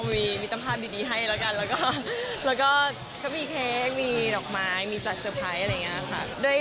มิตรภาพดีให้แล้วกันแล้วก็เขามีเค้กมีดอกไม้มีจัดเตอร์ไพรส์อะไรอย่างนี้ค่ะ